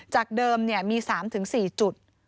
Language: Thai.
จากเดิมมี๓๔จุด